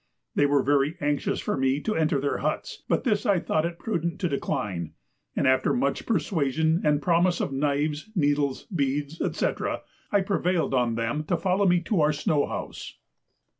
They were very anxious for me to enter their huts, but this I thought it prudent to decline, and after much persuasion and promises of knives, needles, beads, &c. I prevailed on them to follow me to our snow house.